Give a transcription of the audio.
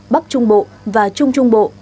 bắc trung bộ và trung trung bộ